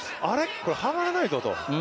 ここ、はまらないぞと。